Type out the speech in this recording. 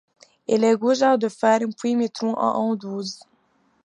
Il est goujat de ferme, puis mitron à Anduze.